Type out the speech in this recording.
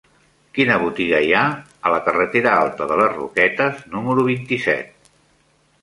Quina botiga hi ha a la carretera Alta de les Roquetes número vint-i-set?